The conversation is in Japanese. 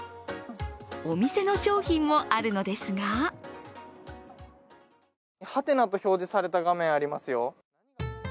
お店の商品もあるのですがハテナと表示された画面、ありますよ。